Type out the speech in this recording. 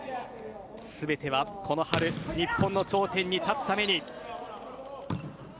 全てはこの春日本の頂点に立つために。